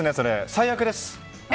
最悪です。